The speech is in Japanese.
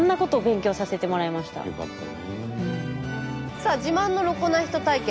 さあ自慢のロコな人対決。